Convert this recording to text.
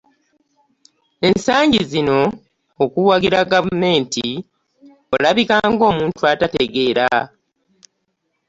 Ensangi zino okuwagira gavumenti olabika ng'omuntu atategeera.